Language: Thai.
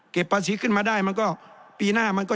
เก็บภาษีขึ้นมาได้มันก็